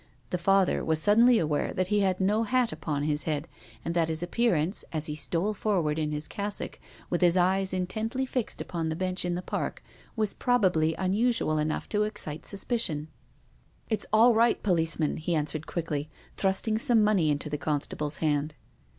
The Father was suddenly aware that he had no hat upon his head, and that his appearance, as he stole forward in his cassock, with his eyes intently fixed upon the bench in the Park, was probably unusual enough to excite suspicion. PROFESSOR GUILDEA. 339 " It's all right, policeman," he answered, quickly, thrusting some money into the constable's hand.